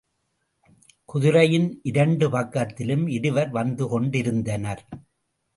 குதிரையின் இரண்டு பக்கத்திலும் இருவர் வந்துகொண்டிருந்தனர்.